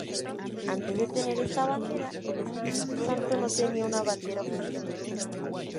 Antes de tener esta bandera, el Espírito Santo no tenía una bandera oficial.